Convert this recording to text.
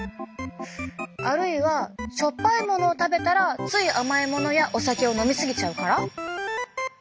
あるいはしょっぱいものを食べたらつい甘いものやお酒を飲み過ぎちゃうから？